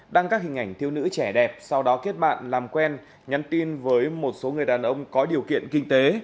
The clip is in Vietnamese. đăng các hình ảnh thiêu nữ trẻ đẹp sau đó kết bạn làm quen nhắn tin với một số người đàn ông có điều kiện kinh tế